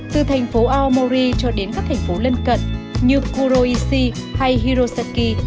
từ thành phố aomori cho đến các thành phố lân cận như kuroishi hay hirosaki